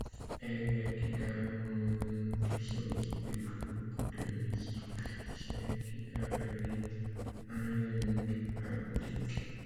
Elle est également l'un des solistes du groupe de musique celtique appelé Highland Heartbeat.